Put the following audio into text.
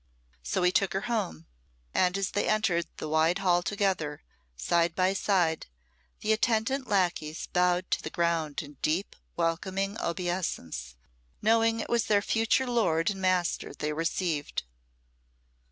So he took her home; and as they entered the wide hall together, side by side, the attendant lacqueys bowed to the ground in deep, welcoming obeisance, knowing it was their future lord and master they received.